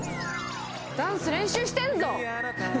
ダンス練習してんぞ